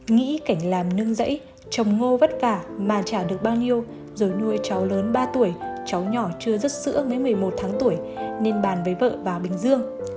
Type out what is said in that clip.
nghĩ cảnh làm nương rẫy trồng ngô vất vả mà trả được bao nhiêu rồi nuôi cháu lớn ba tuổi cháu nhỏ chưa rất sữa mới một mươi một tháng tuổi nên bàn với vợ vào bình dương